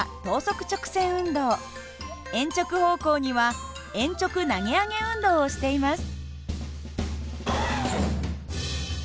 鉛直方向には鉛直投げ上げ運動をしています。